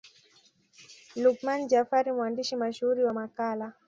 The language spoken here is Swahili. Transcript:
Luqman Jafari mwandishi mashuhuri wa Makala